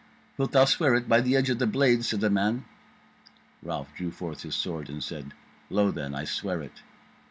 "Wilt thou swear it by the edge of the blade?" said the man. Ralph drew forth his sword and said: "Lo then! I swear it."